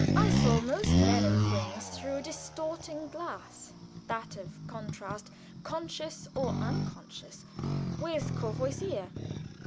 I saw most men and things through a distorting glass; that of contrast, conscious or unconscious, with Courvoisier.